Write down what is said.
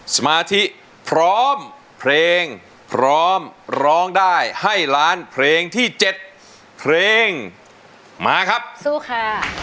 สมาธิพร้อมเพลงพร้อมร้องได้ให้ล้านเพลงที่เจ็ดเพลงมาครับสู้ค่ะ